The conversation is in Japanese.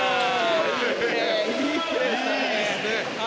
いいプレーですね。